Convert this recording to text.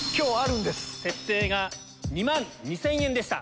設定が２万２０００円でした。